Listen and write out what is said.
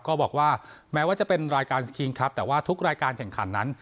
ก็บอกว่าแม้ว่าจะเป็นรายการสคิงครับแต่ว่าทุกรายการแข่งขันนั้น